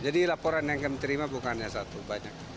jadi laporan yang kami terima bukannya satu banyak